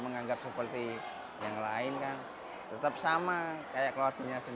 mengingatkan kemampuan ini akan menjadi kemampuan yang mereka inginkan